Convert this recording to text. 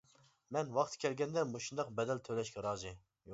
مەن ۋاقتى كەلگەندە مۇشۇنداق بەدەل تۆلەشكە رازى.